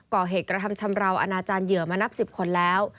ก่อเหตุกระทำชำราวอนาจารย์เหยื่อมานับ๑๐คนแล้ว